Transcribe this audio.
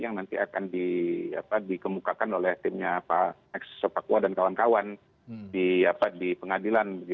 yang nanti akan dikemukakan oleh timnya pak ex sopakwa dan kawan kawan di pengadilan